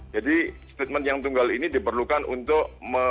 jadi statement yang tunggal ini diperlukan untuk